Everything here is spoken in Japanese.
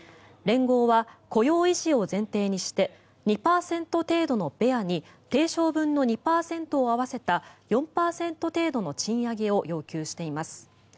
連合は雇用維持を前提にして２％程度のベアに定昇分の２％を合わせた４％程度の賃上げを要求しています。